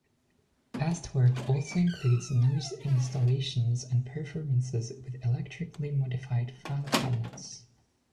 Past work also includes noise installations and performances with electrically modified file cabinets.